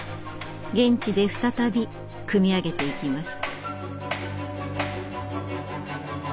現地で再び組み上げていきます。